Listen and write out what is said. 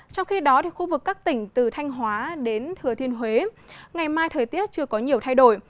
trong khi đó khu vực các tỉnh từ thanh hóa đến thừa thiên huế ngày mai thời tiết chưa có nhiều thay đổi